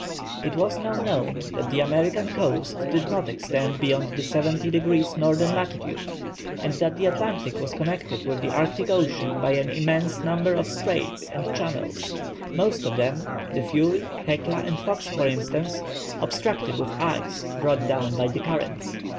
It was now known that the American coast did not extend beyond the 70 degrees N. lat., and that the Atlantic was connected with the Arctic Ocean by an immense number of straits and channels, most of them the Fury, Hecla, and Fox, for instance obstructed with ice brought down by the currents.